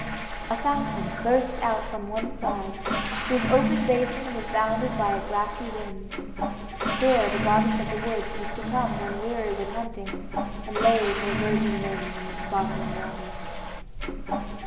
A fountain burst out from one side, whose open basin was bounded by a grassy rim. Here the goddess of the woods used to come when weary with hunting and lave her virgin limbs in the sparkling water.